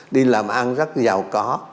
đi làm ăn rất giàu có